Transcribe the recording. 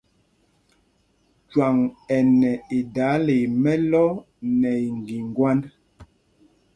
Cwâŋ ɛ nɛ idaala í mɛ̄lɔ̄ nɛ iŋgiŋgwand.